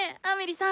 あ？